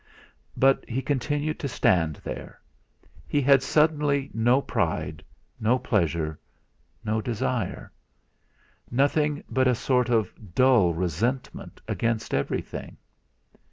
But he continued to stand there. He had suddenly no pride, no pleasure, no desire; nothing but a sort of dull resentment against everything.